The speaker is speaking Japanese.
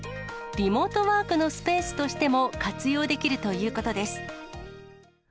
リモートワークのスペースとしても、活用できるということです。